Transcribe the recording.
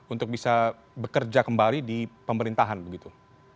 untuk bisa bekerja kembali di pemerintahan begitu